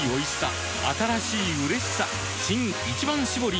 新「一番搾り」